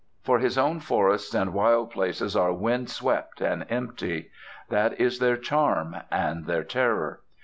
For his own forests and wild places are windswept and empty. That is their charm, and their terror.